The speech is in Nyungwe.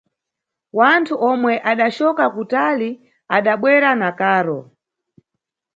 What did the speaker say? Wanthu omwe adacoka kutali adabwera na karo.